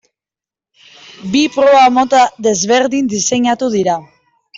Bi proba mota desberdin diseinatu dira.